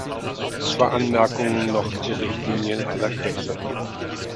Zwei Anmerkungen noch zur Richtlinie in aller Kürze.